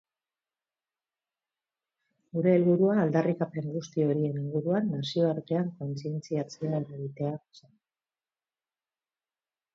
Gure helburua, aldarrikapen guzti horien inguruan, nazioartean kontzientziatzea eragitea zen.